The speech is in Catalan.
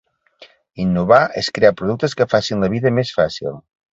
Innovar és crear productes que facin la vida més fàcil.